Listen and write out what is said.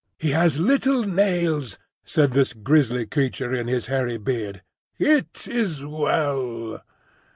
"He has little nails," said this grisly creature in his hairy beard. "It is well."